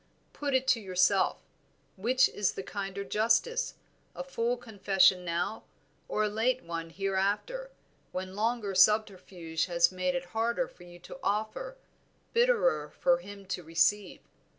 Put it to yourself, which is the kinder justice, a full confession now, or a late one hereafter, when longer subterfuge has made it harder for you to offer, bitterer for him to receive?